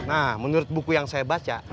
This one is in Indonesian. nah menurut buku yang saya baca